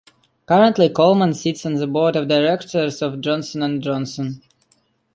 Currently, Coleman sits on the Board of Directors of Johnson and Johnson.